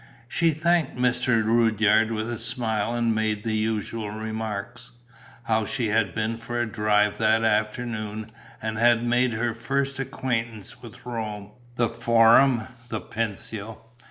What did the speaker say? She thanked Mr. Rudyard with a smile and made the usual remarks: how she had been for a drive that afternoon and had made her first acquaintance with Rome, the Forum, the Pincio.